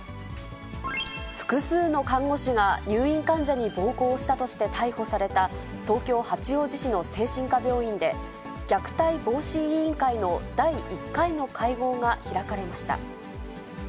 複数の看護師が入院患者に暴行したとして逮捕された東京・八王子市の精神科病院で、虐待防止委員会の第１回の会合が開かれました。